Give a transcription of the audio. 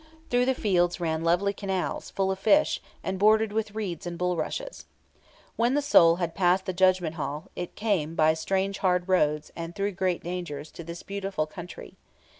Through the fields ran lovely canals, full of fish, and bordered with reeds and bulrushes. When the soul had passed the Judgment Hall, it came, by strange, hard roads, and through great dangers, to this beautiful country.